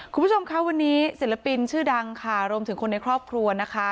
คุณผู้ชมคะวันนี้ศิลปินชื่อดังค่ะรวมถึงคนในครอบครัวนะคะ